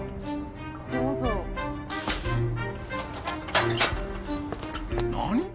「どうぞ」何！？